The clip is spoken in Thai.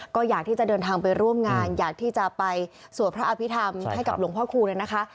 ก็อยากที่จะเดินทางไปร่วมงานอยากที่จะไปสวดพระอภิษฐรรมให้กับหลวงพ่อคูณเลยนะคะ